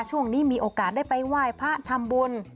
ช่วงนี้มีโอกาสได้ไปว่ายพระธรรมบุญ